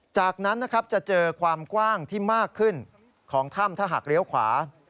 จากนั้นนะครับจะเจอความกว้างที่มากขึ้นของถ้ำถ้าหากเลี้ยวขวา